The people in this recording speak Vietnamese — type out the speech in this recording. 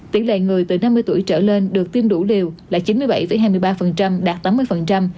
tỷ lệ người từ năm mươi tuổi trở lên được tiêm đủ liều là chín mươi bảy hai mươi ba đạt tám mươi